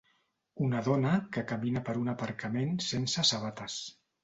Una dona que camina per un aparcament sense sabates.